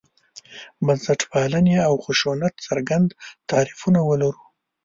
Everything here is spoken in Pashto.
بنسټپالنې او خشونت څرګند تعریفونه ولرو.